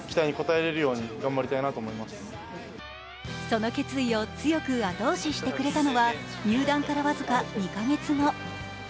その決意を強く後押ししてくれたのは入団から僅か２か月後。